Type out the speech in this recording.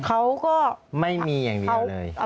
เขาก็ไม่มีอย่างเดียวเลย